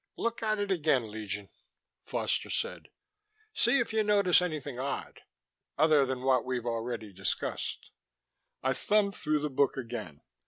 "Look at it again, Legion," Foster said. "See if you notice anything odd other than what we've already discussed." I thumbed through the book again.